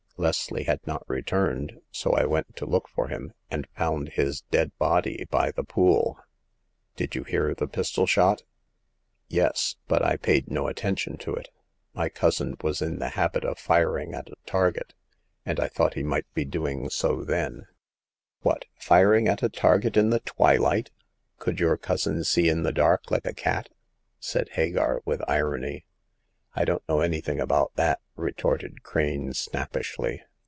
Leslie had not returned, so I went to look for him, and found his dead body by the Pool." "Did you hear the pistol shot ?" The Eighth Customer. 215 "Yes ; but I paid no attention to it. My cousin was in the habit of firing at a target, and I thought he might be doing so then/' What ! firing at a target in the twilight ! Could your cousin see in the dark like a cat ?" said Hagar, with irony. I don't know anything about that !*' retorted Crane, snappishly.